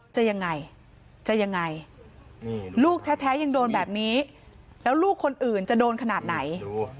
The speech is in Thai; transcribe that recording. จะยังไงจะยังไงลูกแท้ยังโดนแบบนี้แล้วลูกคนอื่นจะโดนขนาดไหน